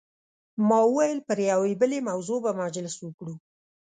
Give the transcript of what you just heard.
ما وویل پر یوې بلې موضوع به مجلس وکړو.